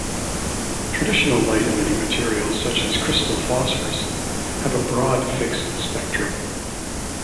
Traditional light emitting materials such as crystal phosphors have a broad fixed spectrum.